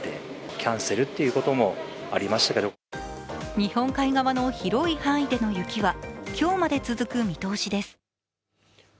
日本海側の広い範囲での雪は今日まで続く見通しです。